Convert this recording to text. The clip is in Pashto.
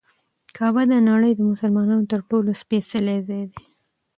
کعبه د نړۍ د مسلمانانو تر ټولو سپېڅلی ځای دی.